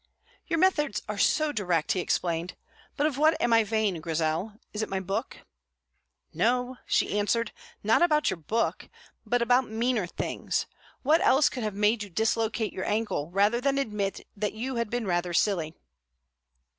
"Your methods are so direct," he explained. "But of what am I vain, Grizel? Is it my book?" "No," she answered, "not about your book, but about meaner things. What else could have made you dislocate your ankle rather than admit that you had been rather silly?"